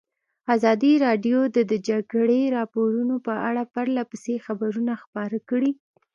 ازادي راډیو د د جګړې راپورونه په اړه پرله پسې خبرونه خپاره کړي.